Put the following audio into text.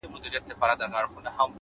هره ناکامي نوی درک ورکوي!